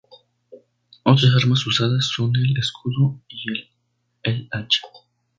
Otras armas usadas son el escudo y el el hacha.